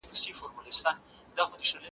مهاجرت مه کوئ.